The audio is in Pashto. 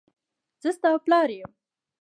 زه ستا پلار یم.